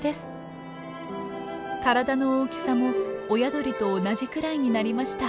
体の大きさも親鳥と同じくらいになりました。